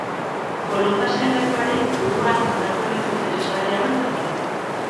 Kolon pasealekuaren inguruan honako leku interesgarri hauek daude.